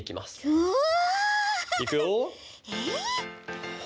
うわ！